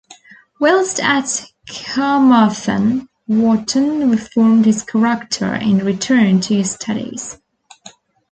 Whilst at Carmarthen, Wotton reformed his character and returned to his studies.